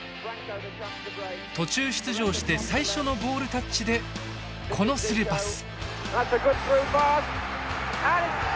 途中出場して最初のボールタッチでこのスルーパス。